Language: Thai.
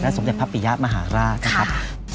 สมเด็จพระปิยะมหาราชนะครับ